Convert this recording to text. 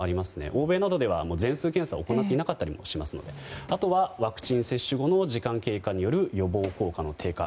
欧米などでは全数検査をおこなっていなかったりあとは、ワクチン接種後の時間経過による予防効果の低下。